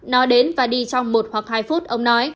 nói đến và đi trong một hoặc hai phút ông nói